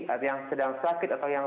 ada yang sedang sakit atau yang